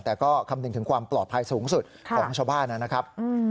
แต่ก็คำนึงถึงความปลอดภัยสูงสุดของชาวบ้านนะครับ